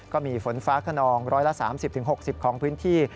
ก็มีฝนฟ้าขนอง๑๓๐๖๐ของพื้นที่